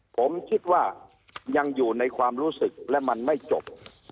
ผมคิดว่ายังอยู่ในความรู้สึกและมันไม่จบ